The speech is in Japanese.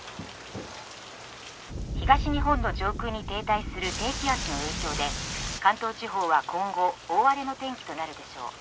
東日本の上空に停滞する低気圧の影響で関東地方は今後大荒れの天気となるでしょう。